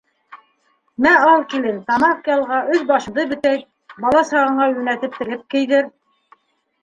— Мә, ал, килен, тамаҡ ялға, өҫ-башыңды бөтәйт, бала-сағаңа йүнәтеп тегеп кейҙер.